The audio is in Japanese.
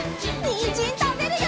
にんじんたべるよ！